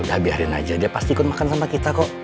udah biarin aja dia pasti ikut makan sama kita kok